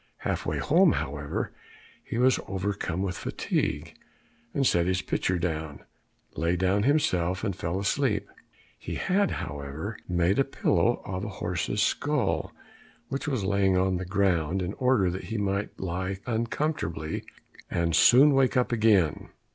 Half way home, however, he was overcome with fatigue, and set his pitcher down, lay down himself, and fell asleep. He had, however, made a pillow of a horse's skull which was lying on the ground, in order that he might lie uncomfortably, and soon wake up again.